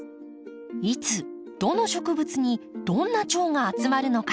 いつどの植物にどんなチョウが集まるのか。